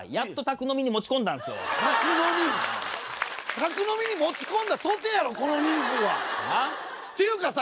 宅飲みに持ち込んだとてやろこの人数は。っていうかさ